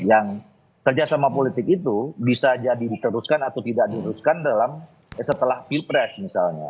yang kerjasama politik itu bisa jadi diteruskan atau tidak diteruskan dalam setelah pilpres misalnya